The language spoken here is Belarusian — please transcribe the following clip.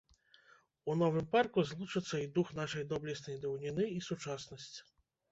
У новым парку злучацца і дух нашай доблеснай даўніны, і сучаснасць.